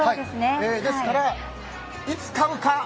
ですから、いつ買うか？